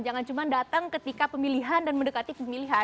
jangan cuma datang ketika pemilihan dan mendekati pemilihan